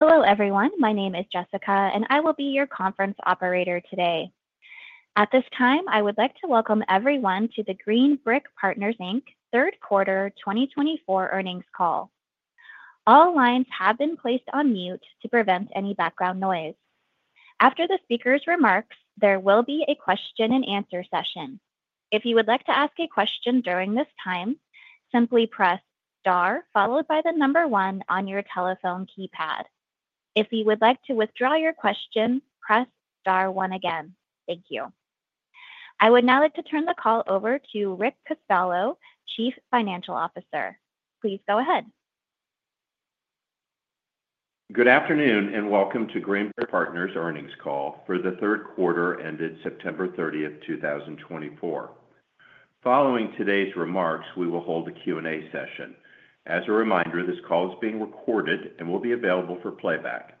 Hello, everyone. My name is Jessica, and I will be your conference operator today. At this time, I would like to welcome everyone to the Green Brick Partners, Inc., third quarter 2024 earnings call. All lines have been placed on mute to prevent any background noise. After the speaker's remarks, there will be a question-and-answer session. If you would like to ask a question during this time, simply press * followed by the number one on your telephone keypad. If you would like to withdraw your question, press * one again. Thank you. I would now like to turn the call over to Rick Costello, Chief Financial Officer. Please go ahead. Good afternoon and welcome to Green Brick Partners' earnings call for the third quarter ended September 30th, 2024. Following today's remarks, we will hold a Q&A session. As a reminder, this call is being recorded and will be available for playback.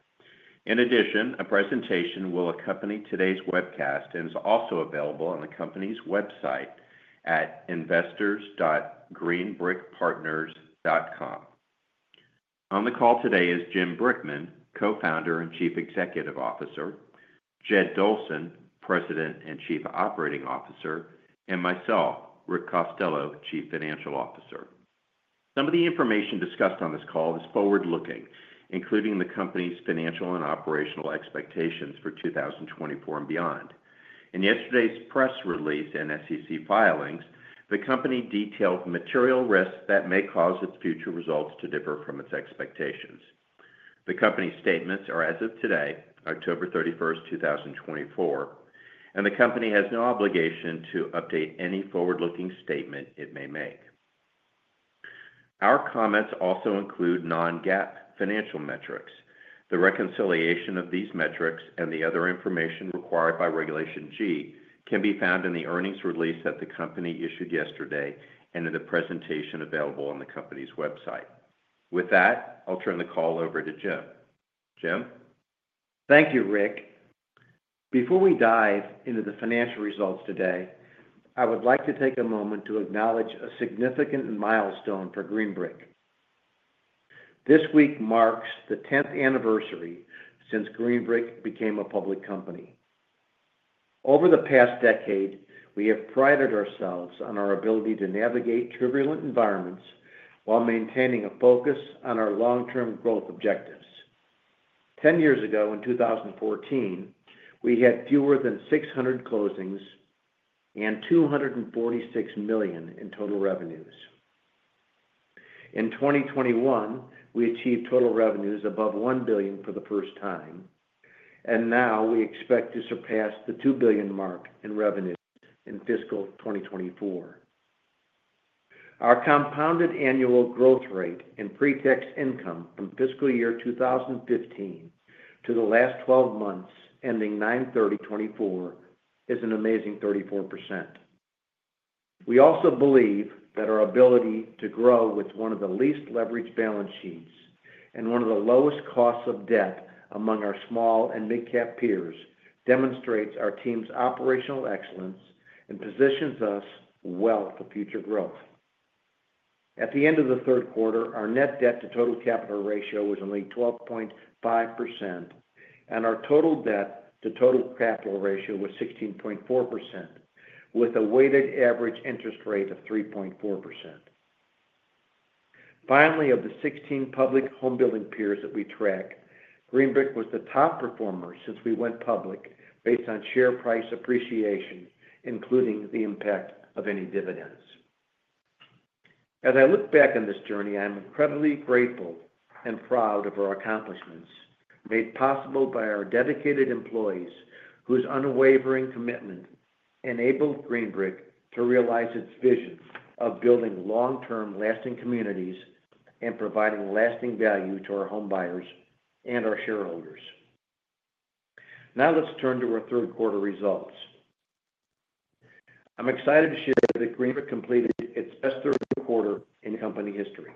In addition, a presentation will accompany today's webcast and is also available on the company's website at investors.greenbrickpartners.com. On the call today is Jim Brickman, Co-Founder and Chief Executive Officer, Jed Dolson, President and Chief Operating Officer, and myself, Rick Costello, Chief Financial Officer. Some of the information discussed on this call is forward-looking, including the company's financial and operational expectations for 2024 and beyond. In yesterday's press release and SEC filings, the company detailed material risks that may cause its future results to differ from its expectations. The company's statements are as of today, October 31st, 2024, and the company has no obligation to update any forward-looking statement it may make. Our comments also include non-GAAP financial metrics. The reconciliation of these metrics and the other information required by Regulation G can be found in the earnings release that the company issued yesterday and in the presentation available on the company's website. With that, I'll turn the call over to Jim. Jim? Thank you, Rick. Before we dive into the financial results today, I would like to take a moment to acknowledge a significant milestone for Green Brick. This week marks the 10th anniversary since Green Brick became a public company. Over the past decade, we have prided ourselves on our ability to navigate turbulent environments while maintaining a focus on our long-term growth objectives. 10 years ago, in 2014, we had fewer than 600 closings and $246 million in total revenues. In 2021, we achieved total revenues above $1 billion for the first time, and now we expect to surpass the $2 billion mark in revenues in fiscal 2024. Our compounded annual growth rate in pre-tax income from fiscal year 2015 to the last 12 months ending 9/30/2024 is an amazing 34%. We also believe that our ability to grow with one of the least leveraged balance sheets and one of the lowest costs of debt among our small and mid-cap peers demonstrates our team's operational excellence and positions us well for future growth. At the end of the third quarter, our net debt to total capital ratio was only 12.5%, and our total debt to total capital ratio was 16.4%, with a weighted average interest rate of 3.4%. Finally, of the 16 public home building peers that we track, Green Brick was the top performer since we went public based on share price appreciation, including the impact of any dividends. As I look back on this journey, I'm incredibly grateful and proud of our accomplishments made possible by our dedicated employees whose unwavering commitment enabled Green Brick to realize its vision of building long-term lasting communities and providing lasting value to our home buyers and our shareholders. Now let's turn to our third quarter results. I'm excited to share that Green Brick completed its best third quarter in company history.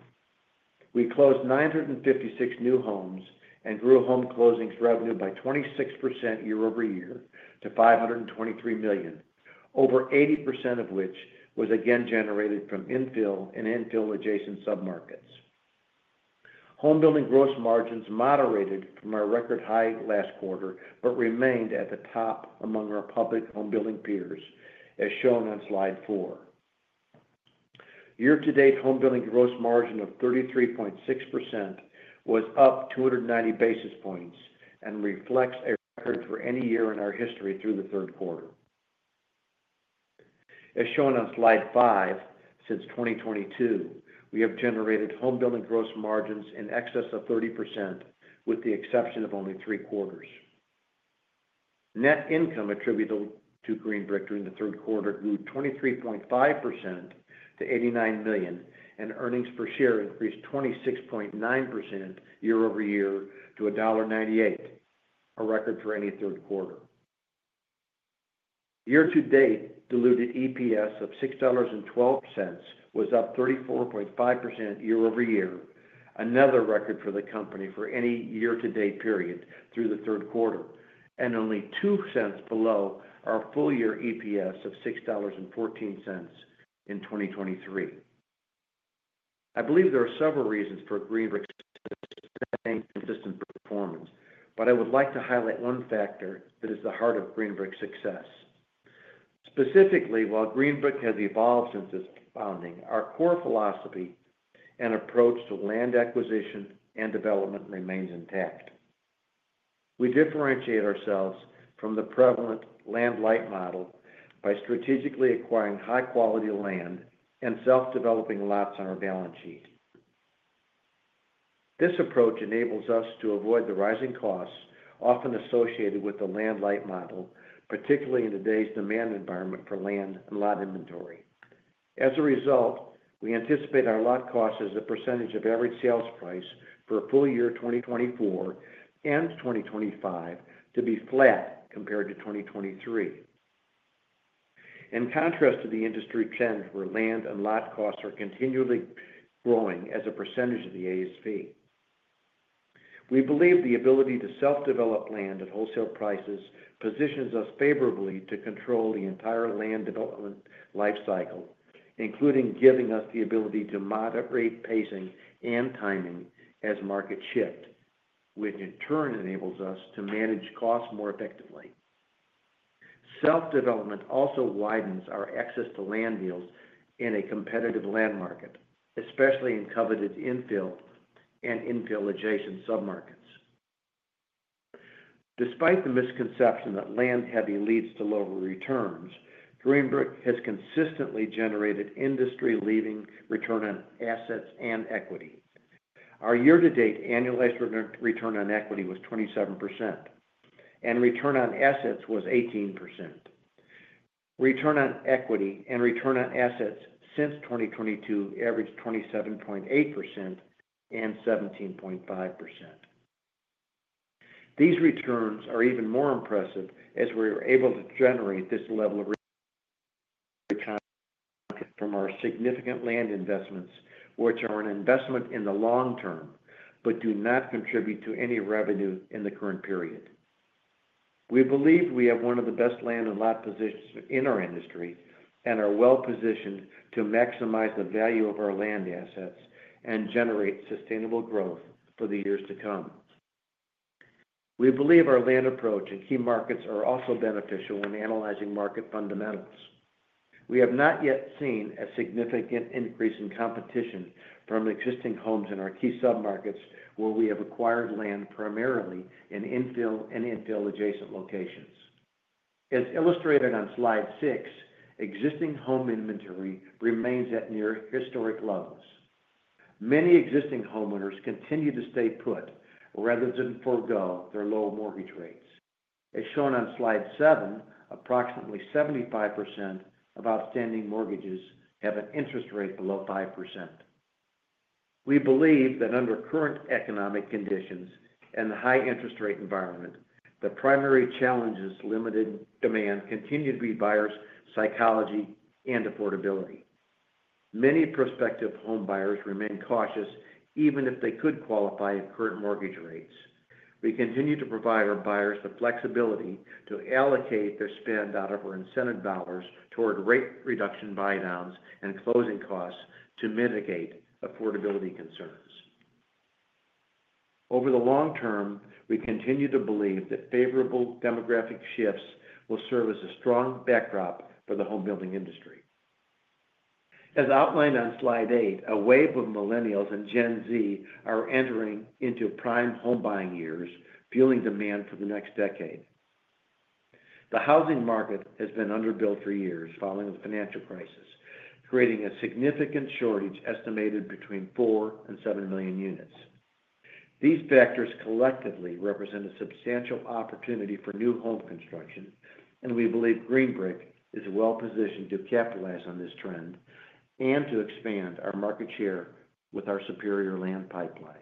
We closed 956 new homes and grew home closings revenue by 26% year over year to $523 million, over 80% of which was again generated from infill and infill-adjacent submarkets. Home building gross margins moderated from our record high last quarter but remained at the top among our public home building peers, as shown on slide four. Year-to-date home building gross margin of 33.6% was up 290 basis points and reflects a record for any year in our history through the third quarter. As shown on slide five, since 2022, we have generated home building gross margins in excess of 30%, with the exception of only three quarters. Net income attributed to Green Brick during the third quarter grew 23.5% to $89 million, and earnings per share increased 26.9% year over year to $1.98, a record for any third quarter. Year-to-date diluted EPS of $6.12 was up 34.5% year over year, another record for the company for any year-to-date period through the third quarter, and only $0.02 below our full year EPS of $6.14 in 2023. I believe there are several reasons for Green Brick's sustained and consistent performance, but I would like to highlight one factor that is the heart of Green Brick's success. Specifically, while Green Brick has evolved since its founding, our core philosophy and approach to land acquisition and development remains intact. We differentiate ourselves from the prevalent land-light model by strategically acquiring high-quality land and self-developing lots on our balance sheet. This approach enables us to avoid the rising costs often associated with the land-light model, particularly in today's demand environment for land and lot inventory. As a result, we anticipate our lot cost as a percentage of average sales price for full year 2024 and 2025 to be flat compared to 2023, in contrast to the industry trend where land and lot costs are continually growing as a percentage of the ASP. We believe the ability to self-develop land at wholesale prices positions us favorably to control the entire land development life cycle, including giving us the ability to moderate pacing and timing as markets shift, which in turn enables us to manage costs more effectively. Self-development also widens our access to land deals in a competitive land market, especially in coveted infill and infill-adjacent submarkets. Despite the misconception that land heavy leads to lower returns, Green Brick has consistently generated industry-leading return on assets and equity. Our year-to-date annualized return on equity was 27%, and return on assets was 18%. Return on equity and return on assets since 2022 averaged 27.8% and 17.5%. These returns are even more impressive as we are able to generate this level of return from our significant land investments, which are an investment in the long term but do not contribute to any revenue in the current period. We believe we have one of the best land and lot positions in our industry and are well positioned to maximize the value of our land assets and generate sustainable growth for the years to come. We believe our land approach and key markets are also beneficial when analyzing market fundamentals. We have not yet seen a significant increase in competition from existing homes in our key submarkets where we have acquired land primarily in infill and infill-adjacent locations. As illustrated on slide six, existing home inventory remains at near historic lows. Many existing homeowners continue to stay put rather than forego their low mortgage rates. As shown on slide seven, approximately 75% of outstanding mortgages have an interest rate below 5%. We believe that under current economic conditions and the high interest rate environment, the primary challenge is limited demand, continued to be buyers' psychology and affordability. Many prospective home buyers remain cautious even if they could qualify at current mortgage rates. We continue to provide our buyers the flexibility to allocate their spend out of our incentive dollars toward rate reduction buy-downs and closing costs to mitigate affordability concerns. Over the long term, we continue to believe that favorable demographic shifts will serve as a strong backdrop for the home building industry. As outlined on slide eight, a wave of Millennials and Gen Z are entering into prime home buying years, fueling demand for the next decade. The housing market has been underbuilt for years following the financial crisis, creating a significant shortage estimated between four and seven million units. These factors collectively represent a substantial opportunity for new home construction, and we believe Green Brick is well positioned to capitalize on this trend and to expand our market share with our superior land pipeline.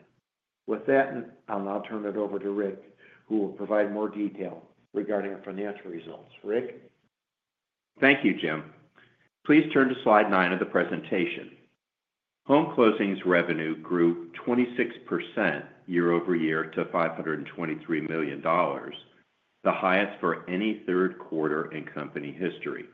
With that, I'll now turn it over to Rick, who will provide more detail regarding our financial results. Rick? Thank you, Jim. Please turn to slide nine of the presentation. Home closings revenue grew 26% year over year to $523 million, the highest for any third quarter in company history.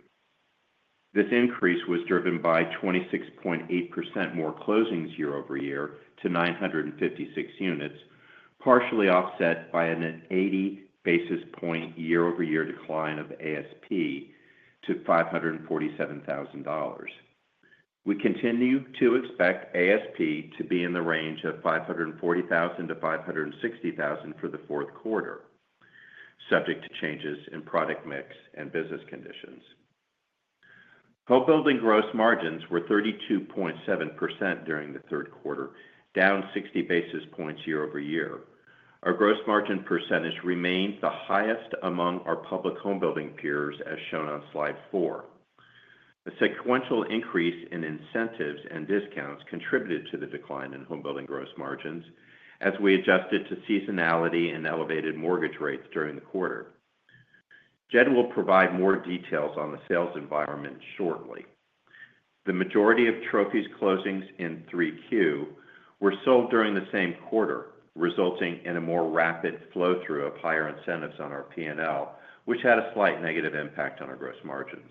This increase was driven by 26.8% more closings year over year to 956 units, partially offset by an 80 basis point year-over-year decline of ASP to $547,000. We continue to expect ASP to be in the range of $540,000-$560,000 for the fourth quarter, subject to changes in product mix and business conditions. Home building gross margins were 32.7% during the third quarter, down 60 basis points year over year. Our gross margin percentage remained the highest among our public home building peers, as shown on slide four. A sequential increase in incentives and discounts contributed to the decline in home building gross margins as we adjusted to seasonality and elevated mortgage rates during the quarter. Jed will provide more details on the sales environment shortly. The majority of Trophy's closings in 3Q were sold during the same quarter, resulting in a more rapid flow-through of higher incentives on our P&L, which had a slight negative impact on our gross margins.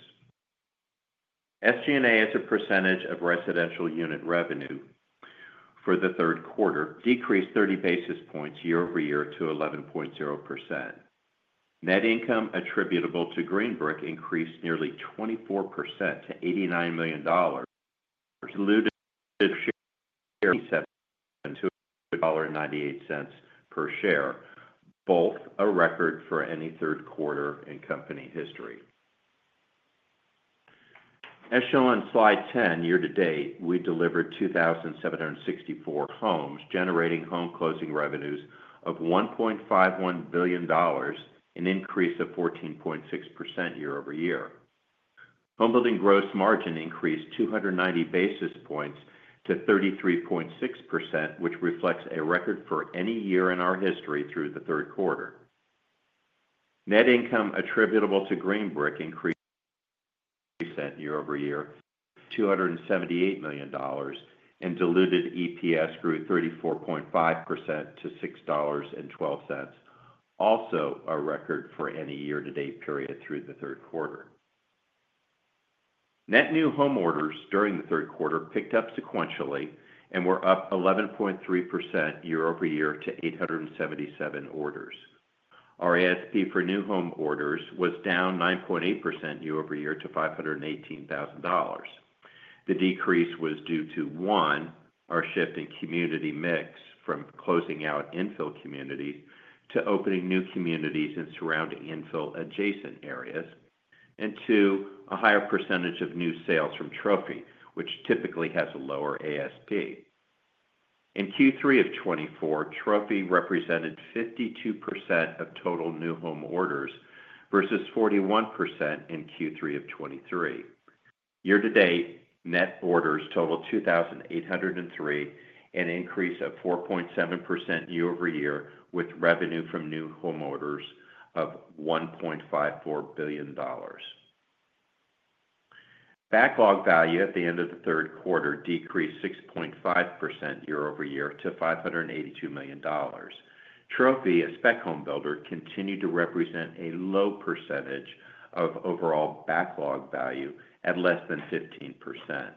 SG&A, as a percentage of residential unit revenue for the third quarter, decreased 30 basis points year over year to 11.0%. Net income attributable to Green Brick increased nearly 24% to $89 million, diluted EPS to $1.98 per share, both a record for any third quarter in company history. As shown on Slide 10, year-to-date, we delivered 2,764 homes, generating home closing revenues of $1.51 billion, an increase of 14.6% year over year. Home building gross margin increased 290 basis points to 33.6%, which reflects a record for any year in our history through the third quarter. Net income attributable to Green Brick increased $278 million year over year, and diluted EPS grew 34.5% to $6.12, also a record for any year-to-date period through the third quarter. Net new home orders during the third quarter picked up sequentially and were up 11.3% year over year to 877 orders. Our ASP for new home orders was down 9.8% year over year to $518,000. The decrease was due to, one, our shift in community mix from closing out infill communities to opening new communities in surrounding infill-adjacent areas, and two, a higher percentage of new sales from Trophy, which typically has a lower ASP. In Q3 of 2024, Trophy represented 52% of total new home orders versus 41% in Q3 of 2023. Year-to-date, net orders totaled 2,803, an increase of 4.7% year over year with revenue from new home orders of $1.54 billion. Backlog value at the end of the third quarter decreased 6.5% year over year to $582 million. Trophy, a spec home builder, continued to represent a low percentage of overall backlog value at less than 15%.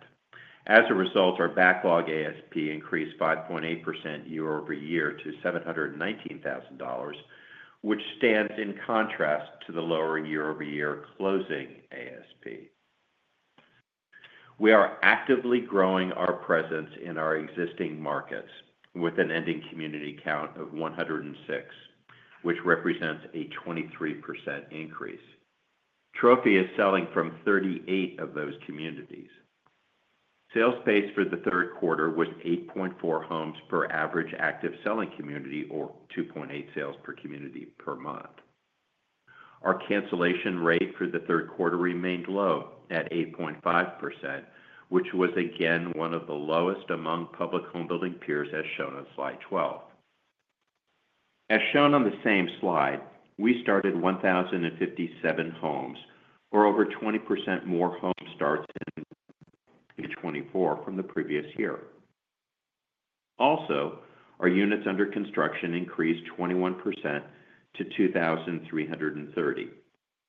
As a result, our backlog ASP increased 5.8% year over year to $719,000, which stands in contrast to the lower year-over-year closing ASP. We are actively growing our presence in our existing markets with an ending community count of 106, which represents a 23% increase. Trophy is selling from 38 of those communities. Sales pace for the third quarter was 8.4 homes per average active selling community, or 2.8 sales per community per month. Our cancellation rate for the third quarter remained low at 8.5%, which was again one of the lowest among public home building peers, as shown on slide 12. As shown on the same slide, we started 1,057 homes, or over 20% more home starts in 2024 from the previous year. Also, our units under construction increased 21% to 2,330.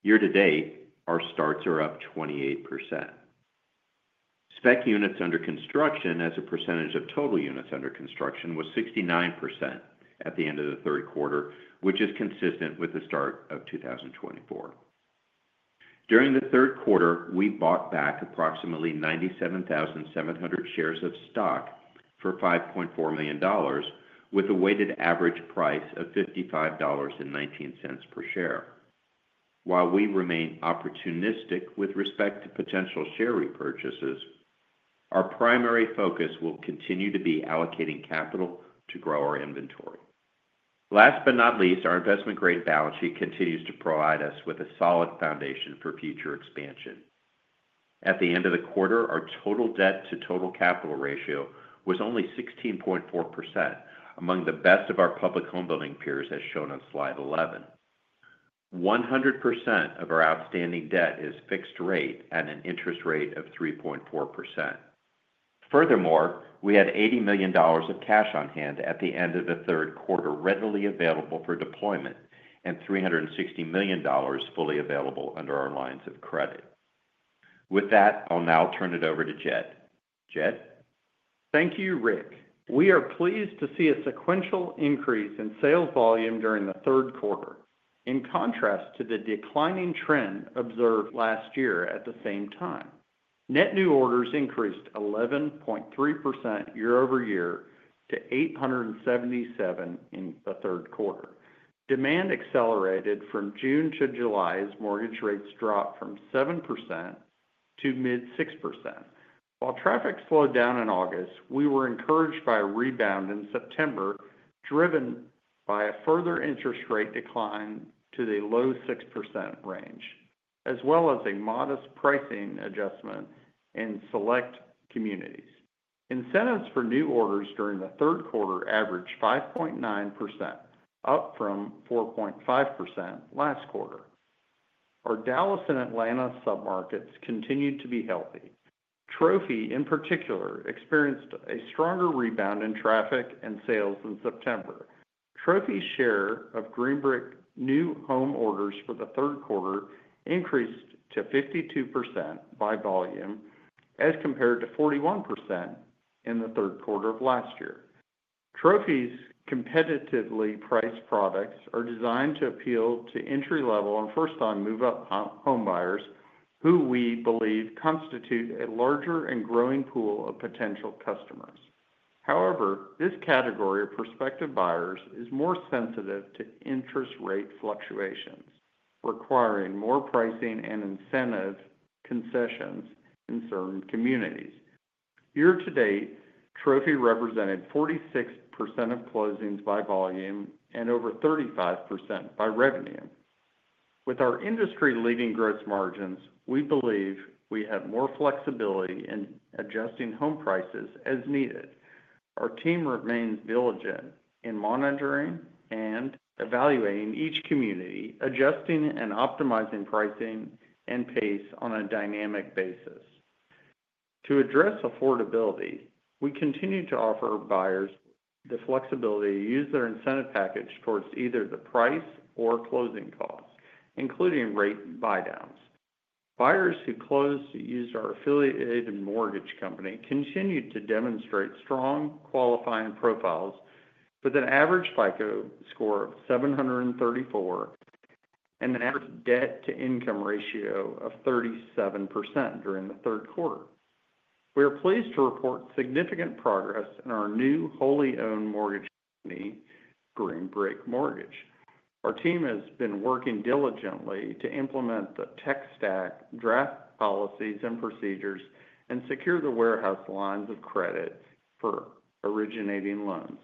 Year-to-date, our starts are up 28%. Spec units under construction, as a percentage of total units under construction, was 69% at the end of the third quarter, which is consistent with the start of 2024. During the third quarter, we bought back approximately 97,700 shares of stock for $5.4 million, with a weighted average price of $55.19 per share. While we remain opportunistic with respect to potential share repurchases, our primary focus will continue to be allocating capital to grow our inventory. Last but not least, our investment-grade balance sheet continues to provide us with a solid foundation for future expansion. At the end of the quarter, our total debt to total capital ratio was only 16.4%, among the best of our public home building peers, as shown on slide 11. 100% of our outstanding debt is fixed rate at an interest rate of 3.4%. Furthermore, we had $80 million of cash on hand at the end of the third quarter, readily available for deployment, and $360 million fully available under our lines of credit. With that, I'll now turn it over to Jed. Jed. Thank you, Rick. We are pleased to see a sequential increase in sales volume during the third quarter, in contrast to the declining trend observed last year at the same time. Net new orders increased 11.3% year over year to 877 in the third quarter. Demand accelerated from June to July as mortgage rates dropped from 7% to mid-6%. While traffic slowed down in August, we were encouraged by a rebound in September, driven by a further interest rate decline to the low 6% range, as well as a modest pricing adjustment in select communities. Incentives for new orders during the third quarter averaged 5.9%, up from 4.5% last quarter. Our Dallas and Atlanta submarkets continued to be healthy. Trophy, in particular, experienced a stronger rebound in traffic and sales in September. Trophy's share of Green Brick new home orders for the third quarter increased to 52% by volume, as compared to 41% in the third quarter of last year. Trophy's competitively priced products are designed to appeal to entry-level and first-time move-up home buyers, who we believe constitute a larger and growing pool of potential customers. However, this category of prospective buyers is more sensitive to interest rate fluctuations, requiring more pricing and incentive concessions in certain communities. Year-to-date, Trophy represented 46% of closings by volume and over 35% by revenue. With our industry-leading gross margins, we believe we have more flexibility in adjusting home prices as needed. Our team remains diligent in monitoring and evaluating each community, adjusting and optimizing pricing and pace on a dynamic basis. To address affordability, we continue to offer buyers the flexibility to use their incentive package towards either the price or closing costs, including rate buy-downs. Buyers who closed to use our affiliated mortgage company continued to demonstrate strong qualifying profiles with an average FICO score of 734 and an average debt-to-income ratio of 37% during the third quarter. We are pleased to report significant progress in our new wholly-owned mortgage company, Green Brick Mortgage. Our team has been working diligently to implement the tech stack, draft policies and procedures, and secure the warehouse lines of credit for originating loans.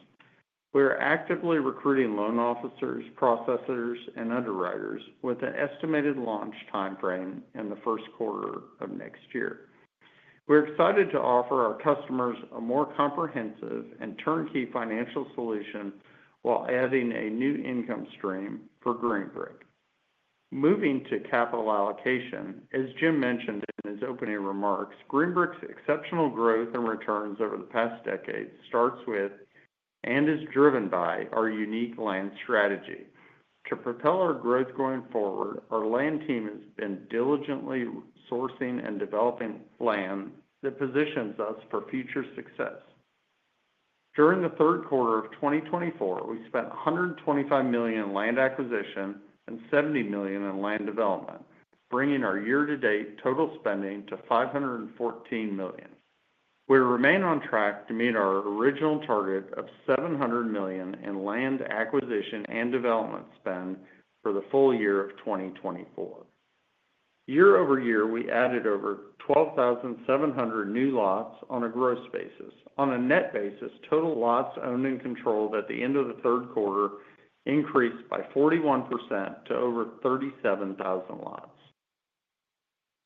We are actively recruiting loan officers, processors, and underwriters with an estimated launch timeframe in the first quarter of next year. We're excited to offer our customers a more comprehensive and turnkey financial solution while adding a new income stream for Green Brick. Moving to capital allocation, as Jim mentioned in his opening remarks, Green Brick's exceptional growth and returns over the past decade starts with and is driven by our unique land strategy. To propel our growth going forward, our land team has been diligently sourcing and developing land that positions us for future success. During the third quarter of 2024, we spent $125 million in land acquisition and $70 million in land development, bringing our year-to-date total spending to $514 million. We remain on track to meet our original target of $700 million in land acquisition and development spend for the full year of 2024. Year-over-year, we added over 12,700 new lots on a gross basis. On a net basis, total lots owned and controlled at the end of the third quarter increased by 41% to over 37,000 lots.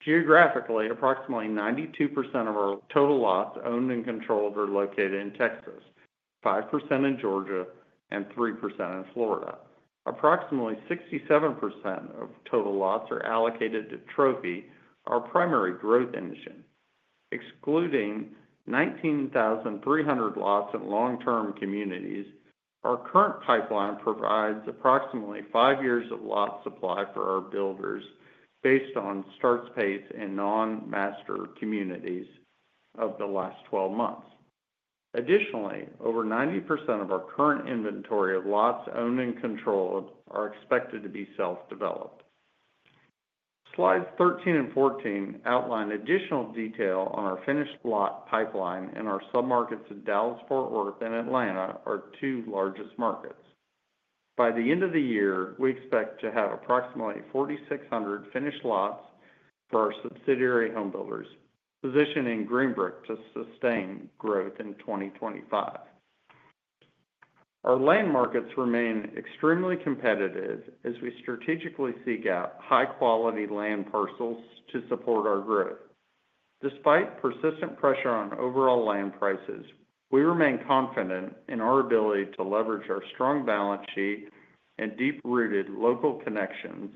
Geographically, approximately 92% of our total lots owned and controlled are located in Texas, 5% in Georgia, and 3% in Florida. Approximately 67% of total lots are allocated to Trophy, our primary growth engine. Excluding 19,300 lots in long-term communities, our current pipeline provides approximately five years of lot supply for our builders based on starts pace in non-master communities of the last 12 months. Additionally, over 90% of our current inventory of lots owned and controlled are expected to be self-developed. Slides 13 and 14 outline additional detail on our finished lot pipeline, and our submarkets in Dallas-Fort Worth and Atlanta are our two largest markets. By the end of the year, we expect to have approximately 4,600 finished lots for our subsidiary home builders, positioning Green Brick to sustain growth in 2025. Our land markets remain extremely competitive as we strategically seek out high-quality land parcels to support our growth. Despite persistent pressure on overall land prices, we remain confident in our ability to leverage our strong balance sheet and deep-rooted local connections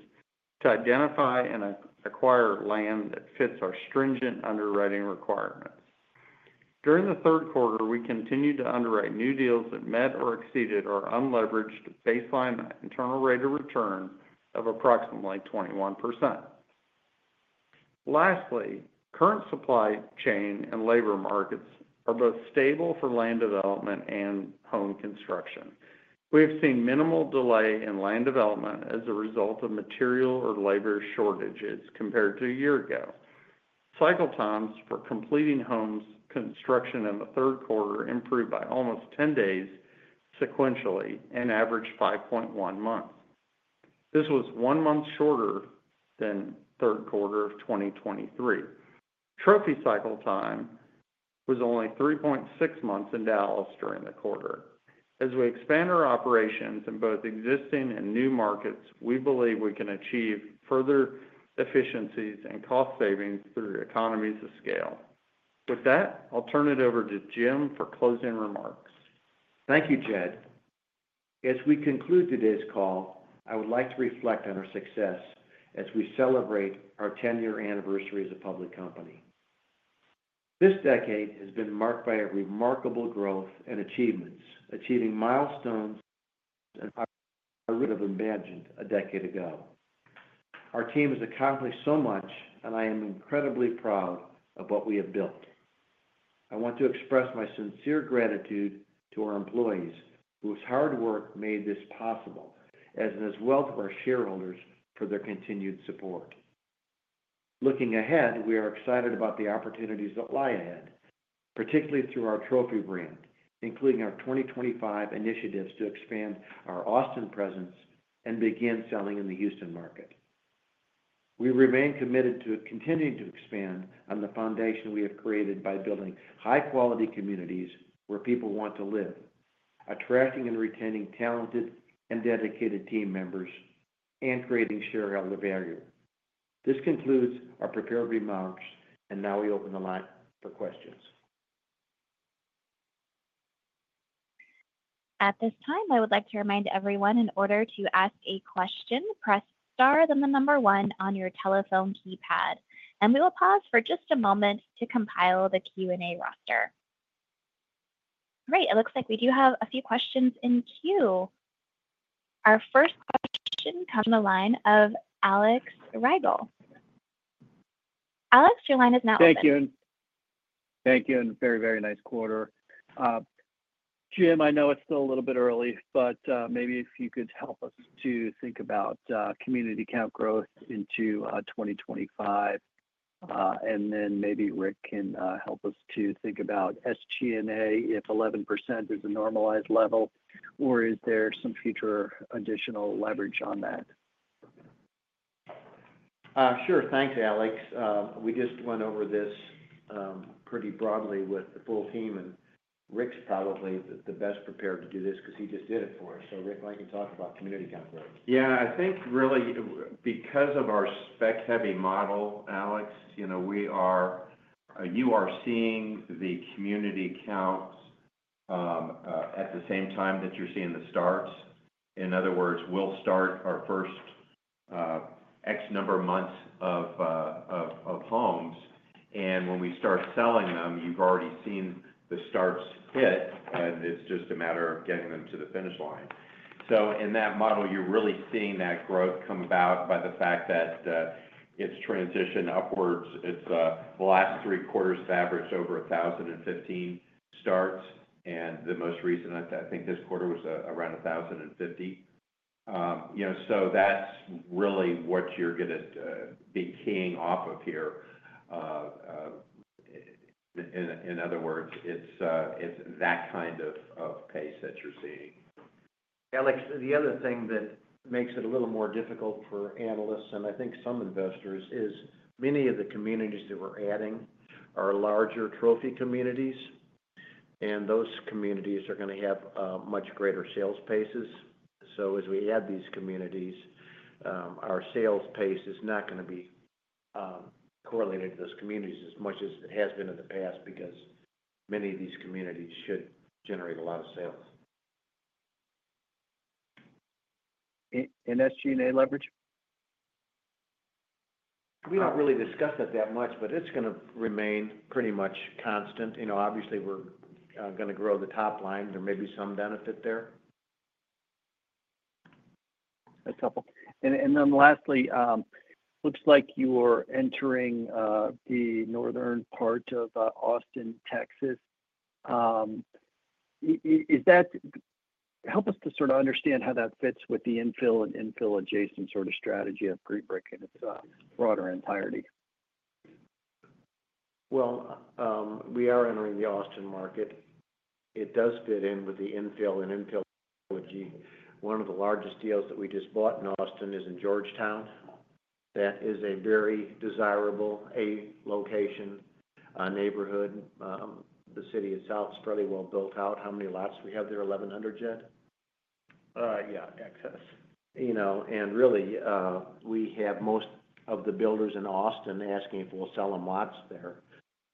to identify and acquire land that fits our stringent underwriting requirements. During the third quarter, we continued to underwrite new deals that met or exceeded our unleveraged baseline internal rate of return of approximately 21%. Lastly, current supply chain and labor markets are both stable for land development and home construction. We have seen minimal delay in land development as a result of material or labor shortages compared to a year ago. Cycle times for completing home construction in the third quarter improved by almost 10 days sequentially and averaged 5.1 months. This was one month shorter than third quarter of 2023. Trophy cycle time was only 3.6 months in Dallas during the quarter. As we expand our operations in both existing and new markets, we believe we can achieve further efficiencies and cost savings through economies of scale. With that, I'll turn it over to Jim for closing remarks. Thank you, Jed. As we conclude today's call, I would like to reflect on our success as we celebrate our 10-year anniversary as a public company. This decade has been marked by a remarkable growth and achievements, achieving milestones that are harder than we imagined a decade ago. Our team has accomplished so much, and I am incredibly proud of what we have built. I want to express my sincere gratitude to our employees, whose hard work made this possible, as well as our shareholders for their continued support. Looking ahead, we are excited about the opportunities that lie ahead, particularly through our Trophy brand, including our 2025 initiatives to expand our Austin presence and begin selling in the Houston market. We remain committed to continuing to expand on the foundation we have created by building high-quality communities where people want to live, attracting and retaining talented and dedicated team members, and creating shareholder value. This concludes our prepared remarks, and now we open the line for questions. At this time, I would like to remind everyone, in order to ask a question, press star then the number one on your telephone keypad. And we will pause for just a moment to compile the Q&A roster. All right, it looks like we do have a few questions in queue. Our first question comes on the line of Alex Rygiel. Alex, your line is now open. Thank you. Thank you. And very, very nice quarter. Jim, I know it's still a little bit early, but maybe if you could help us to think about community count growth into 2025. And then maybe Rick can help us to think about SG&A if 11% is a normalized level, or is there some future additional leverage on that? Sure. Thanks, Alex. We just went over this pretty broadly with the full team, and Rick's probably the best prepared to do this because he just did it for us. So Rick, why don't you talk about community count growth? Yeah. I think really, because of our spec-heavy model, Alex, you are seeing the community counts at the same time that you're seeing the starts. In other words, we'll start our first X number of months of homes, and when we start selling them, you've already seen the starts hit, and it's just a matter of getting them to the finish line. So in that model, you're really seeing that growth come about by the fact that it's transitioned upwards. The last three quarters have averaged over 1,015 starts, and the most recent, I think this quarter, was around 1,050. So that's really what you're going to be keying off of here. In other words, it's that kind of pace that you're seeing. Alex, the other thing that makes it a little more difficult for analysts, and I think some investors, is many of the communities that we're adding are larger Trophy communities, and those communities are going to have much greater sales paces. So as we add these communities, our sales pace is not going to be correlated to those communities as much as it has been in the past because many of these communities should generate a lot of sales. And SG&A leverage? We don't really discuss it that much, but it's going to remain pretty much constant. Obviously, we're going to grow the top line. There may be some benefit there. That's helpful. And then lastly, it looks like you're entering the northern part of Austin, Texas. Help us to sort of understand how that fits with the infill and infill-adjacent sort of strategy of Green Brick in its broader entirety. We are entering the Austin market. It does fit in with the infill strategy. One of the largest deals that we just bought in Austin is in Georgetown. That is a very desirable A-location neighborhood. The city itself is fairly well built out. How many lots do we have there? 1,100, Jed? Yeah, excess. Really, we have most of the builders in Austin asking if we'll sell them lots there,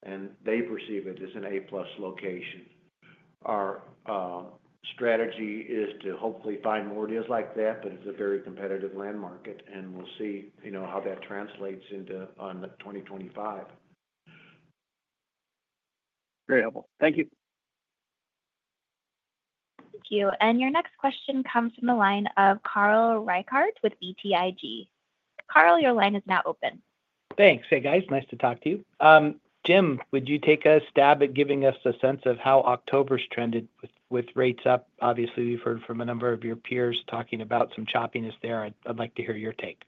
and they perceive it as an A-plus location. Our strategy is to hopefully find more deals like that, but it's a very competitive land market, and we'll see how that translates into 2025. Very helpful. Thank you. Thank you. And your next question comes from the line of Carl Reichardt with BTIG. Carl, your line is now open. Thanks. Hey, guys. Nice to talk to you. Jim, would you take a stab at giving us a sense of how October's trended with rates up? Obviously, we've heard from a number of your peers talking about some choppiness there. I'd like to hear your take.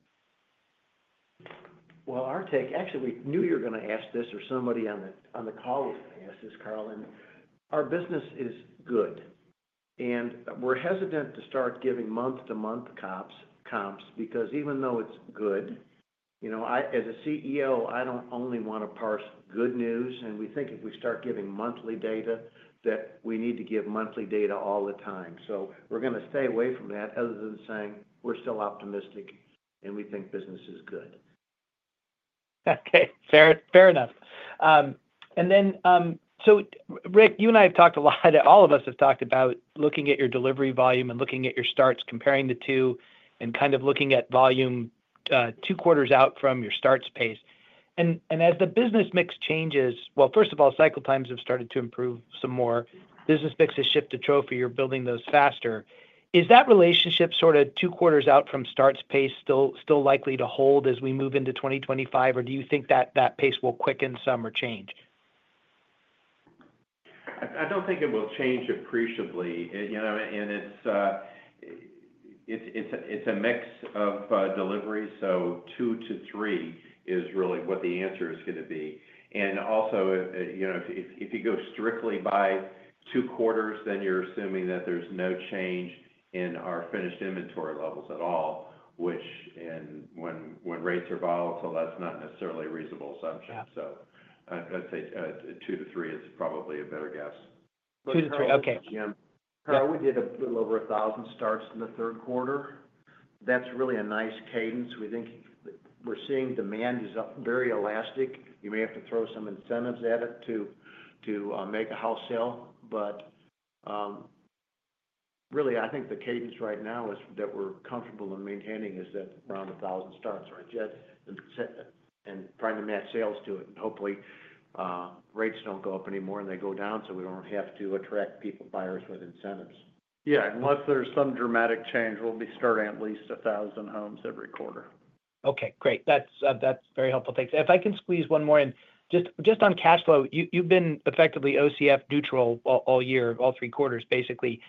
Our take, actually, we knew you were going to ask this or somebody on the call was going to ask this, Carl, and our business is good, and we're hesitant to start giving month-to-month comps because even though it's good, as a CEO, I don't only want to parse good news, and we think if we start giving monthly data, that we need to give monthly data all the time, so we're going to stay away from that other than saying we're still optimistic and we think business is good. Okay. Fair enough. And then, so Rick, you and I have talked a lot. All of us have talked about looking at your delivery volume and looking at your starts, comparing the two, and kind of looking at volume two quarters out from your starts pace. And as the business mix changes. Well, first of all, cycle times have started to improve some more. Business mix has shifted to Trophy. You're building those faster. Is that relationship sort of two quarters out from starts pace still likely to hold as we move into 2025, or do you think that that pace will quicken some or change? I don't think it will change appreciably. And it's a mix of deliveries, so two to three is really what the answer is going to be. And also, if you go strictly by two quarters, then you're assuming that there's no change in our finished inventory levels at all, which, when rates are volatile, that's not necessarily a reasonable assumption. So I'd say two to three is probably a better guess. Two to three. Okay. We did a little over 1,000 starts in the third quarter. That's really a nice cadence. We think we're seeing demand is very elastic. You may have to throw some incentives at it to make a house sale. But really, I think the cadence right now that we're comfortable in maintaining is around 1,000 starts, right, Jed, and trying to match sales to it, and hopefully, rates don't go up anymore and they go down so we don't have to attract people, buyers with incentives. Yeah. Unless there's some dramatic change, we'll be starting at least 1,000 homes every quarter. Okay. Great. That's very helpful. Thanks. If I can squeeze one more in, just on cash flow, you've been effectively OCF neutral all year, all three quarters, basically.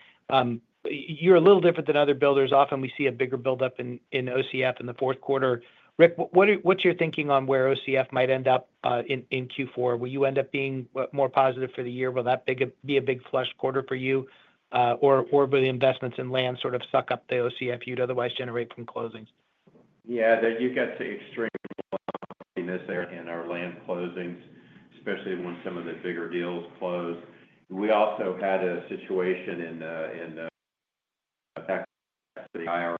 You're a little different than other builders. Often we see a bigger buildup in OCF in the fourth quarter. Rick, what's your thinking on where OCF might end up in Q4? Will you end up being more positive for the year? Will that be a big flush quarter for you, or will the investments in land sort of suck up the OCF you'd otherwise generate from closings? Yeah. You got the extreme level in our land closings, especially when some of the bigger deals close. We also had a situation in the tax deferral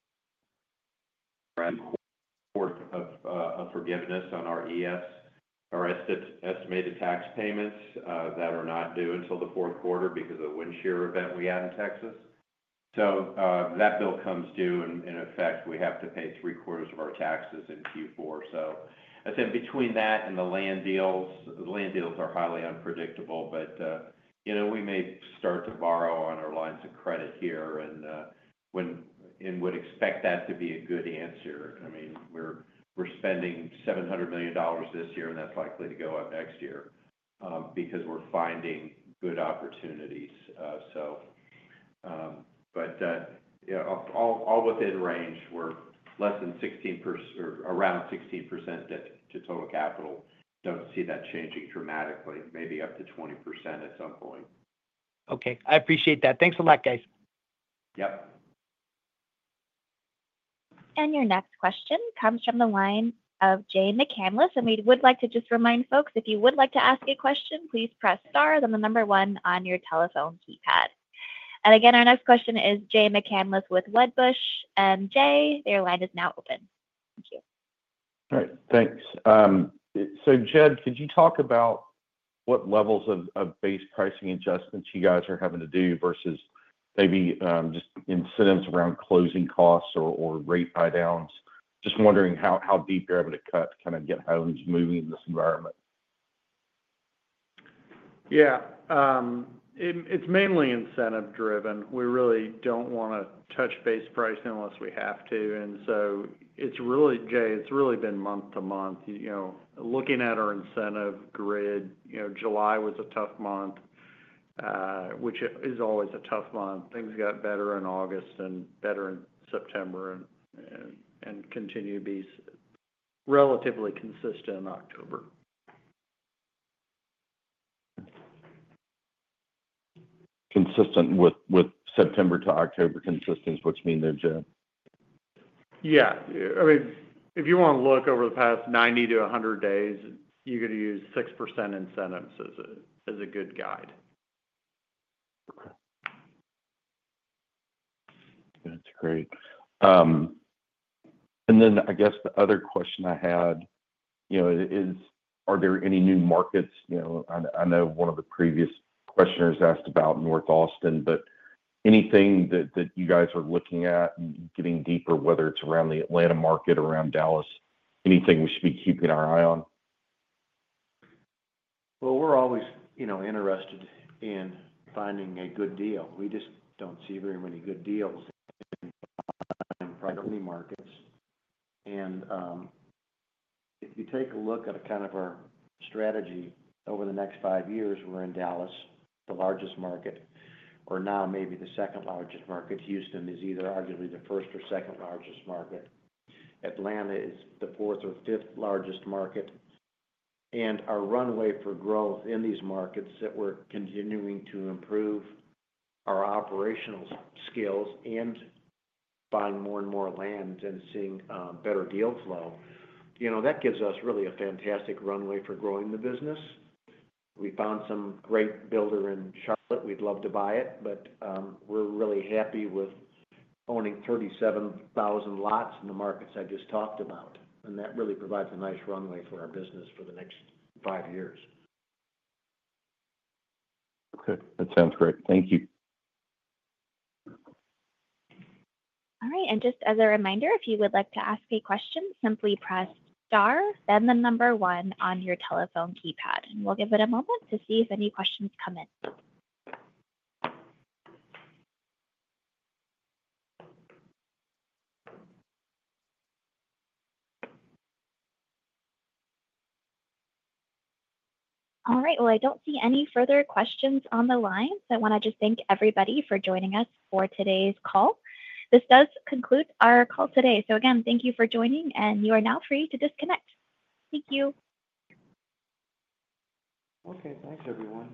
or forgiveness on our ES, our estimated tax payments that are not due until the fourth quarter because of the wind shear event we had in Texas. So that bill comes due, and in effect, we have to pay three quarters of our taxes in Q4. So I'd say between that and the land deals, the land deals are highly unpredictable, but we may start to borrow on our lines of credit here and would expect that to be a good answer. I mean, we're spending $700 million this year, and that's likely to go up next year because we're finding good opportunities. But all within range. We're less than 16% or around 16% debt to total capital. Don't see that changing dramatically. Maybe up to 20% at some point. Okay. I appreciate that. Thanks a lot, guys. Yep. And your next question comes from the line of Jay McCanless. And we would like to just remind folks, if you would like to ask a question, please press star then the number one on your telephone keypad. And again, our next question is Jay McCanless with Wedbush. And Jay, your line is now open. Thank you. All right. Thanks. So Jed, could you talk about what levels of base pricing adjustments you guys are having to do versus maybe just incentives around closing costs or rate buy-downs? Just wondering how deep you're able to cut to kind of get homes moving in this environment. Yeah. It's mainly incentive-driven. We really don't want to touch base price unless we have to, and so it's really, Jay, it's really been month to month. Looking at our incentive grid, July was a tough month, which is always a tough month. Things got better in August and better in September and continue to be relatively consistent in October. Consistent with September to October consistency, what do you mean there, Jed? Yeah. I mean, if you want to look over the past 90-100 days, you're going to use 6% incentives as a good guide. Okay. That's great. And then I guess the other question I had is, are there any new markets? I know one of the previous questioners asked about North Austin, but anything that you guys are looking at and getting deeper, whether it's around the Atlanta market, around Dallas, anything we should be keeping our eye on? We're always interested in finding a good deal. We just don't see very many good deals in property markets. If you take a look at kind of our strategy over the next five years, we're in Dallas, the largest market, or now maybe the second largest market. Houston is either arguably the first or second largest market. Atlanta is the fourth or fifth largest market. Our runway for growth in these markets that we're continuing to improve our operational skills and buying more and more land and seeing better deal flow, that gives us really a fantastic runway for growing the business. We found some great builder in Charlotte. We'd love to buy it, but we're really happy with owning 37,000 lots in the markets I just talked about. That really provides a nice runway for our business for the next five years. Okay. That sounds great. Thank you. All right. And just as a reminder, if you would like to ask a question, simply press star, then the number one on your telephone keypad. And we'll give it a moment to see if any questions come in. All right. Well, I don't see any further questions on the line, so I want to just thank everybody for joining us for today's call. This does conclude our call today. So again, thank you for joining, and you are now free to disconnect. Thank you. Okay. Thanks, everyone.